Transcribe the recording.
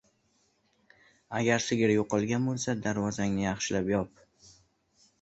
• Agar sigir yo‘qolgan bo‘lsa, darvozangni yaxshilab yop.